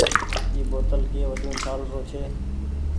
اي بوتل ڪي وجون ڇآل رو ڇي ۔